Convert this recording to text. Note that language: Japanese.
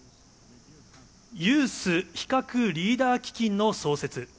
ユース非核リーダー基金の創設。